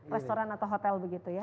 restoran atau hotel begitu ya